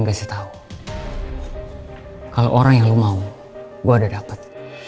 gue kasih tau kalau orang yang lo mau gue ada dapat